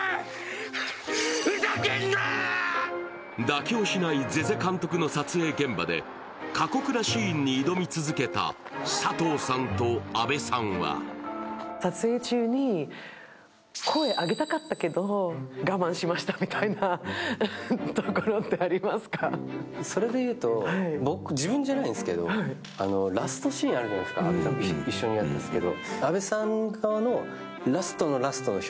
妥協しない瀬々監督の撮影現場で過酷なシーンに挑み続けた佐藤さんと阿部さんはそれで言うと、自分じゃないんですけど、ラストシーンあるじゃないですか、阿部さんも一緒にやったんですけど。